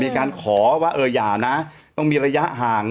มีการขอว่าเอออย่านะต้องมีระยะห่าง